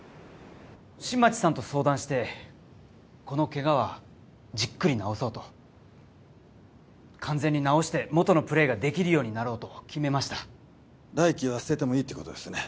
新町さんと相談してこのケガはじっくり治そうと完全に治して元のプレーができるようになろうと決めました来季は捨ててもいいってことですね？